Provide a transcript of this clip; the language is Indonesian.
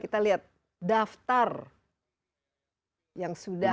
kita lihat daftar yang sudah